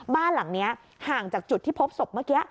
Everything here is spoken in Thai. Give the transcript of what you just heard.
บ้านหลังนี้ห่างจากจุดที่พบศพเมื่อกี้